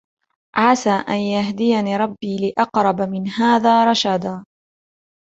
عَسَى أَن يَهْدِيَنِ رَبِّي لِأَقْرَبَ مِنْ هَذَا رَشَدًا.